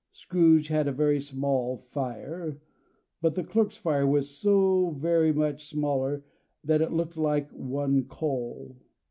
Scrooge had a very small fire, but the clerk's fire was so very much smaller that it looked like one coal.